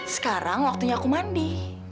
sekarang waktunya aku mandi